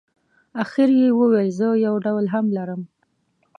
اخر یې وویل زه یو ډول هم لرم.